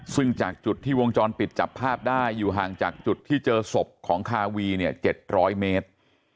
ซึ่งจากจุดที่วงจรปิดจับภาพได้อยู่ห่างจากจุดที่เจอศพของคาวีเนี่ย๗๐๐เมตร